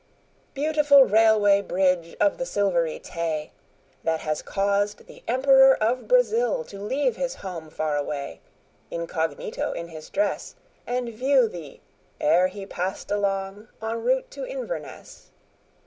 Beautiful Railway Bridge of the Silvery Tay! That has caused the Emperor of Brazil to leave His home far away, incognito in his dress, And view thee ere he passed along en route to Inverness.